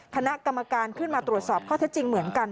คณะกรรมการขึ้นมาตรวจสอบข้อเท็จจริงเหมือนกัน